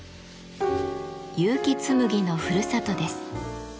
結城紬のふるさとです。